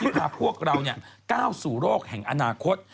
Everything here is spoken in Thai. ที่พาพวกเราเนี่ยก้าวสู่โรคแห่งอนาคต